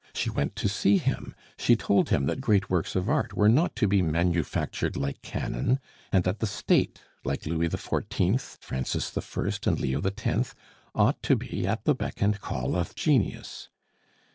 She went to see him; she told him that great works of art were not to be manufactured like cannon; and that the State like Louis XIV., Francis I., and Leo X. ought to be at the beck and call of genius.